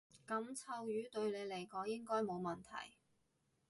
噉臭魚對你嚟講應該冇問題